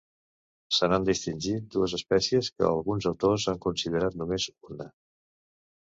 Se n'han distingit dues espècies que alguns autors han considerat només una.